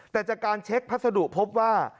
แต่จากการเช็คพัสดุพบว่า